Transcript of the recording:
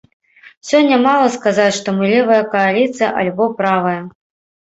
Сёння мала сказаць, што мы левая кааліцыя альбо правая.